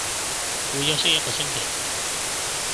會休息一個星期